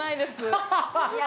ハハハハ！